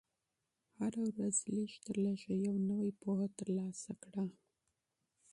هره ورځ لږ تر لږه یوه نوې پوهه ترلاسه کړه.